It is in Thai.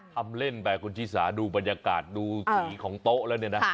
ทำเล่นไปคุณชิสาดูบรรยากาศดูสีของโต๊ะแล้วเนี่ยนะ